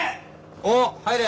おう入れ。